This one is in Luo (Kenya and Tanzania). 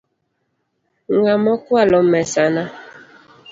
Ng'a mokwalo mesana?